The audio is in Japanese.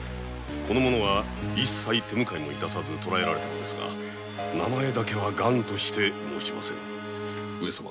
この者は一切手向かいも致さず捕らえられたのですが名前だけは頑として申しません。